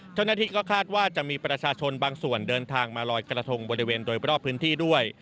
เจ้าหน้าที่ก็คาดว่าจะมีประชาชนบางส่วนเดินทางมาลอยกระทงบริเวณโดยรอบพื้นที่ด้วย